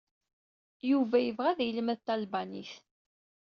Yuba yebɣa ad yelmed talbanit.